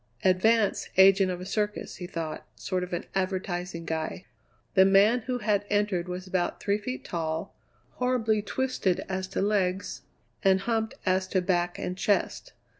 "Advance agent of a circus," he thought; "sort of advertising guy." The man who had entered was about three feet tall, horribly twisted as to legs, and humped as to back and chest.